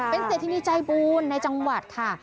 เป็นเศรษฐินีใจบูลในจังหวัดค่ะ